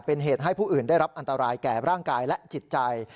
เป็นเหตุให้ผู้อื่นได้รับอันตรายแก่ร่างกายและจิตใจ